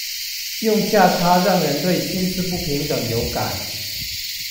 用價差讓人對薪資不平等有感